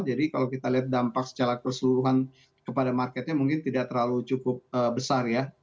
jadi kalau kita lihat dampak secara keseluruhan kepada marketnya mungkin tidak terlalu cukup besar ya